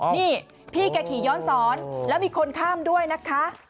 นี่พี่แกขี่ย้อนสอนแล้วมีคนข้ามด้วยนะคะ